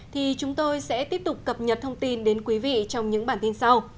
thì chúng tôi sẽ tiếp tục cập nhật thông tin đến quý vị trong những bản tin sau